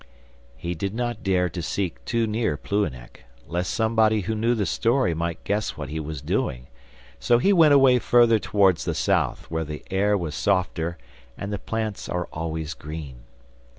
He did not dare to seek too near Plouhinec, lest somebody who knew the story might guess what he was doing, so he went away further towards the south, where the air was softer and the plants are always green.